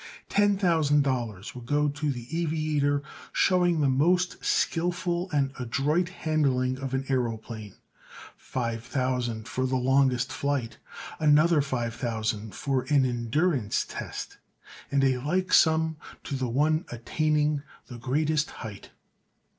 Ten thousand dollars would go to the aviator showing the most skillful and adroit handling of an aëroplane; five thousand for the longest flight; another five thousand for an endurance test and a like sum to the one attaining the greatest height.